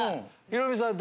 ヒロミさん